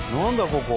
ここ。